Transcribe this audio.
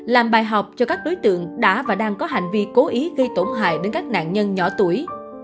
làm bài học cho các đối tượng đã và đang có hành vi cố ý gây tổn hại đến các nạn nhân nhỏ tuổi